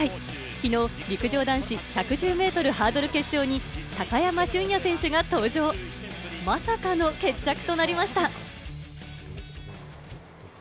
きのう陸上男子１１０ｍハードル決勝に高山峻野選手が登場、まさかの決着となりました。